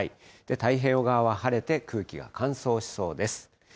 太平洋側は晴れて空気が乾燥しそうです。